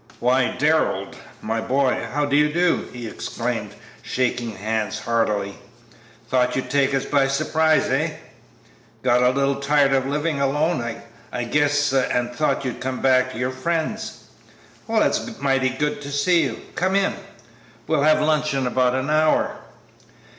"Why, Darrell, my boy, how do you do?" he exclaimed, shaking hands heartily; "thought you'd take us by surprise, eh? Got a little tired of living alone, I guess, and thought you'd come back to your friends. Well, it's mighty good to see you; come in; we'll have lunch in about an hour."